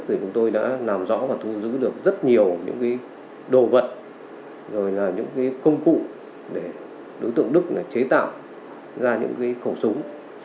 thì chúng tôi đã làm rõ và thu giữ được rất nhiều đồ vật công cụ để đối tượng đức chế tạo ra những khẩu súng